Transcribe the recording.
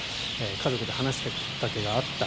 家族で話したきっかけがあった。